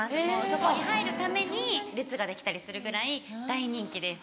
そこに入るために列ができたりするぐらい大人気です。